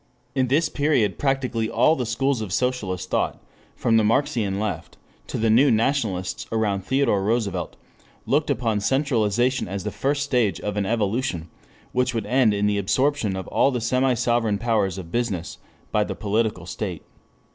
In this period practically all the schools of socialist thought from the Marxian left to the New Nationalists around Theodore Roosevelt, looked upon centralization as the first stage of an evolution which would end in the absorption of all the semi sovereign powers of business by the political state.